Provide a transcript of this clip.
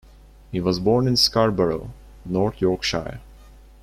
He was born in Scarborough, North Yorkshire.